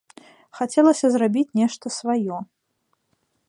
Хацелася зрабіць нешта сваё.